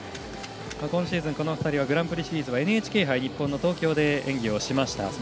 今シーズン、この２人はグランプリシリーズはＮＨＫ杯、日本の東京で演技しました。